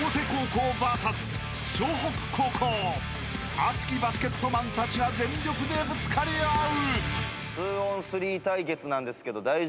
［熱きバスケットマンたちが全力でぶつかり合う！］